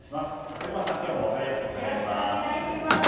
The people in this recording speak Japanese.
竹俣さん、今日も分かりやすくお願いします。